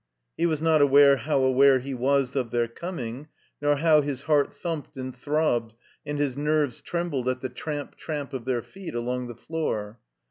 He was not aware how aware he was of their coming, nor how his heart thimiped and throbbed and his nerves trembled at the tramp, tramp of their feet along the floor.